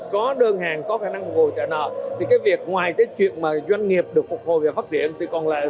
có đơn hàng có khả năng phục hồi trợ nợ